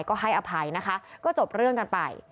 ก็ให้อภัยนะคะก็จบเรื่องกันไป